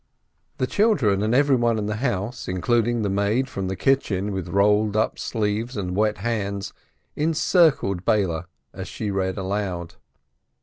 The children and everyone in the house, including the maid from the kitchen, with rolled up sleeves and wet hands, encircled Beile as she read aloud.